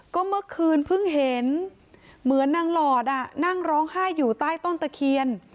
ก็เมื่อคืนเพิ่งเห็นเหมือนนางหลอดนั่งร้องไห้อยู่ใต้ต้นตะเคียน